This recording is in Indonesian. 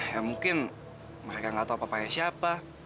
ya mungkin mereka gak tahu papanya siapa